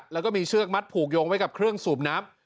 แล้วก็มีเชือกมัดผูกโยงไว้กับเครื่องสูบน้ำ